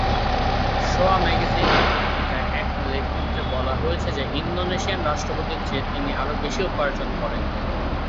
সোয়া magazine পত্রিকায় এক লেখনীতে বলা হয়েছে যে, ইন্দোনেশিয়ার রাষ্ট্রপতির চেয়ে তিনি আরও বেশি উপার্জন করেন।